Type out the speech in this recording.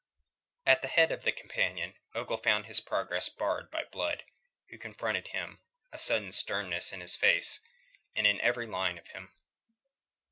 At the head of the companion, Ogle found his progress barred by Blood, who confronted him, a sudden sternness in his face and in every line of him.